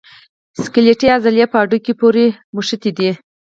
سکلیټي عضلې په هډوکو پورې نښتي دي.